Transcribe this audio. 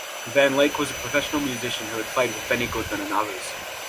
Van Lake was a professional musician who had played with Benny Goodman and others.